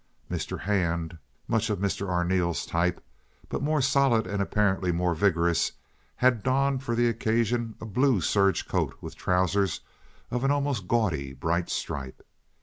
Mr. Hand, much of Mr. Arneel's type, but more solid and apparently more vigorous, had donned for the occasion a blue serge coat with trousers of an almost gaudy, bright stripe.